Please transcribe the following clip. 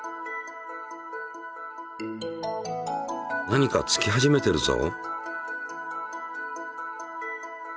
何かつき始めているぞ。